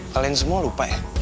kalian semua lupa ya